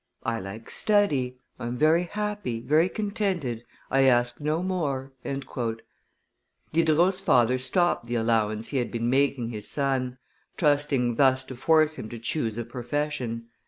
I like study, I am very happy, very contented, I ask no more." Diderot's father stopped the allowance he had been making his son, trusting thus to force him to choose a profession.